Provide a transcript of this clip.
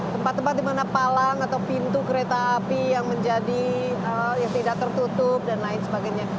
tempat tempat di mana palang atau pintu kereta api yang menjadi yang tidak tertutup dan lain sebagainya